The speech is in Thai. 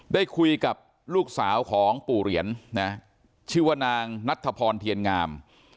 ได้คุยกับลูกสาวของปู่เหรียญนะชื่อว่านางนัทธพรเทียนงาม